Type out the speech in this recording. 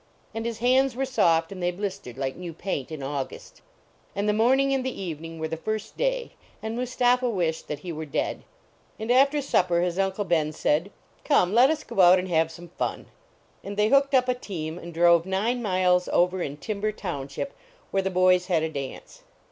And his hands were soft, and they blistered like new paint in August. And the morning and the evening were the first day, and Mustapha wished that he were dead. And after supper his Uncle Ben <aid : 191 THE VACATION OF MUSTAPIIA 11 Come, let us go out and have some fun." And they hooked up a team and drove nine miles over in Timber township, where the boys had a dance.